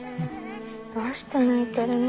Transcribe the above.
どうして泣いてるの？